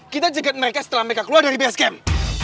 kita jagat mereka setelah mereka keluar dari best game